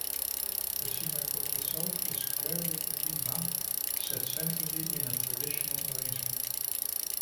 The Synagogue itself is square with the Bimah set centrally in a traditional arrangement.